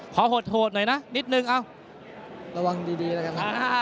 ขอโหดโหดหน่อยนะนิดหนึ่งเอาระวังดีดีนะครับอ่า